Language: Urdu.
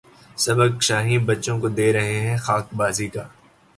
سبق شاہیں بچوں کو دے رہے ہیں خاک بازی کا